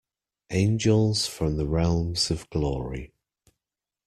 Angels from the realms of glory.